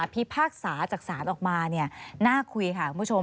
พิพากษาจากศาลออกมาน่าคุยค่ะคุณผู้ชม